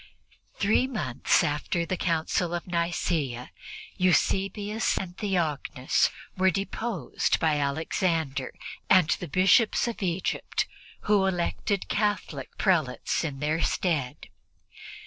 Three months after the Council of Nicea, Eusebius and Theognis were deposed by Alexander and the Bishops of Egypt, who elected Catholic prelates in their stead.